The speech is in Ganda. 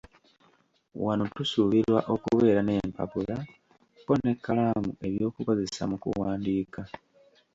Wano tusuubirwa okubeera n'empapula ko n'ekkalamu eby'okukozesa mu kuwandiika.